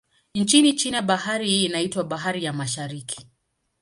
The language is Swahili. Nchini China, bahari hii inaitwa Bahari ya Mashariki.